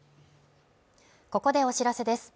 ここでお知らせです。